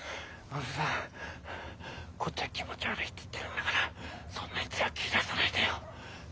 あのさこっちは気持ち悪いって言ってるんだからそんなに強く揺らさないでよ。